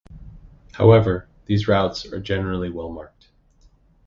However, these routes are generally well marked.